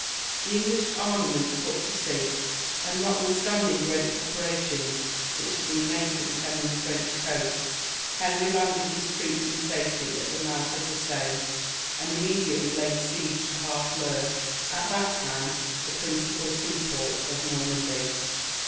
The English armament put to sea, and notwithstanding great preparations which had been made for defending the French coast, Henry landed his troops in safety at the mouth of the Seine, and immediately laid siege to Harfleur, at that time the principal sea port of Normandy.